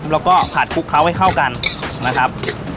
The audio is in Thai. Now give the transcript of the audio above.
แล้วก็ผัดคลุกเคล้าให้เข้ากันนะครับ